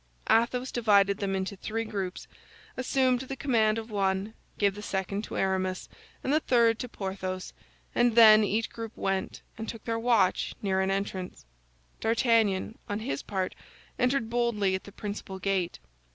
Athos divided them into three groups, assumed the command of one, gave the second to Aramis, and the third to Porthos; and then each group went and took their watch near an entrance. D'Artagnan, on his part, entered boldly at the principal gate.